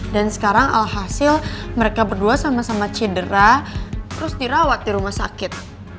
dan sekarang alhasil mereka berdua sama sama cedera terus dirawat di rumah sakit